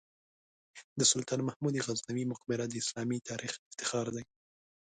د سلطان محمود غزنوي مقبره د اسلامي تاریخ افتخار دی.